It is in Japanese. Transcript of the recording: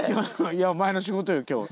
いやお前の仕事よ今日。